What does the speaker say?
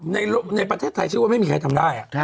ในประเทศไทยชื่อว่าไม่มีใครทำได้